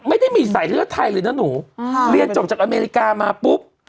ไม่ได้มีสายเลือดไทยเลยนะหนูเรียนจบจากอเมริกามาปุ๊บ